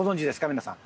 皆さん。